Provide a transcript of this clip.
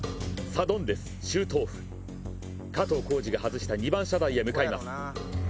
サドンデス、シュートオフ加藤浩次が外した２番射台へ向かいます。